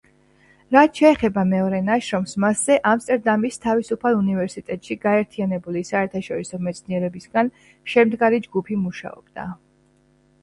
რაც შეეხება მეორე ნაშრომს, მასზე ამსტერდამის თავისუფალ უნივერსიტეტში გაერთიანებული საერთაშორისო მეცნიერებისგან შემდგარი ჯგუფი მუშაობდა.